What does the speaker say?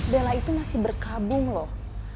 bella itu masih berkabung loh